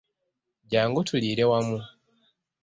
Jangu tuliire wamu.